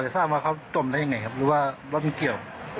ทราบว่าเขาจมได้ยังไงครับหรือว่ารถมันเกี่ยว